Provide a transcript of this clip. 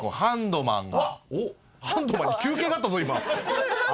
ハンドマン休憩だったぞ今。